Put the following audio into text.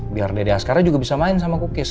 biar dede askara juga bisa main sama cookies